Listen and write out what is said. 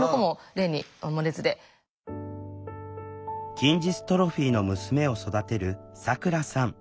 筋ジストロフィーの娘を育てるさくらさん。